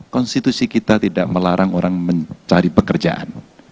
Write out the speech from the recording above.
konstitusi kita tidak melarang orang mencari pekerjaan